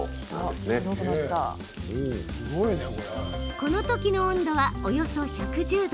このときの温度はおよそ１１０度。